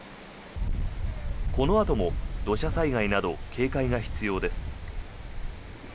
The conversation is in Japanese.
このあとも土砂災害など警戒が必要です。